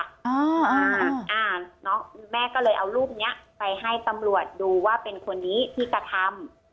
อ่าอ่าน้องแม่ก็เลยเอารูปเนี้ยไปให้ตำรวจดูว่าเป็นคนนี้ที่กระทำ